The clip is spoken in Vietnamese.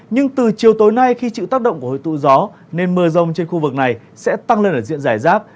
nhưng từ chiều tối nay khi chịu tác động của hồi tụ gió nên mưa rông trên khu vực này sẽ tăng lên ở diện giải rác